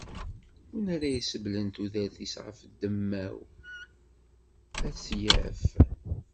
Win ara isebblen tudert-is ɣef ddemma-w, ad tt-yaf.